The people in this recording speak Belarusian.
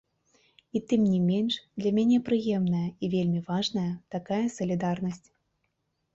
І тым не менш, для мяне прыемная і вельмі важная такая салідарнасць.